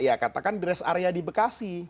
ya katakan rest area di bekasi